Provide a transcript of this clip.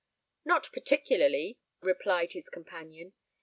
"Not particularly," replied his companion.